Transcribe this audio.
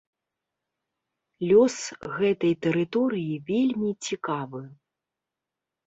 Лёс гэтай тэрыторыі вельмі цікавы.